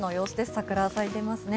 桜が咲いていますね。